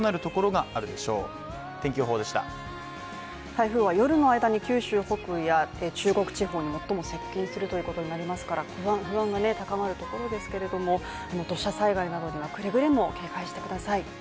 台風は夜の間に九州北部や中国地方に最も接近するということになりますから不安が高まるところですけれども、土砂災害などにはくれぐれも警戒してください。